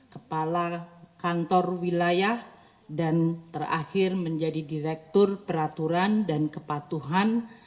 kepala kantor wilayah dan terakhir menjadi direktur peraturan dan kepatuhan